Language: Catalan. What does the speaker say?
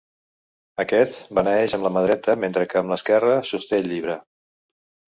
Aquest beneeix amb la mà dreta, mentre que amb l'esquerra sosté el Llibre.